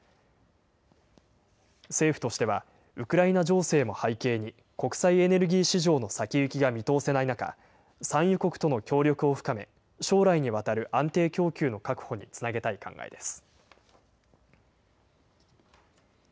政府としては、ウクライナ情勢も背景に国際エネルギー市場の先行きが見通せない中、産油国との協力を深め、将来にわたる安定供給の確保につなげたい考えです。